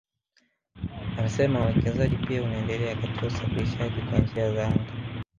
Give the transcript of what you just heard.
Amesema uwekezaji pia unaendelea katika usafirishaji kwa njia ya anga